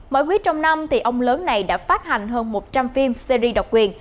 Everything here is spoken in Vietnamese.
mỗi quý trong năm ông lớn này đã phát hành hơn một trăm linh phim series độc quyền